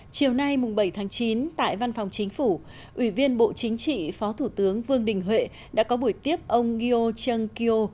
chiều nay bảy tháng chín tại văn phòng chính phủ ủy viên bộ chính trị phó thủ tướng vương đình huệ đã có buổi tiếp ông gyo chung kyo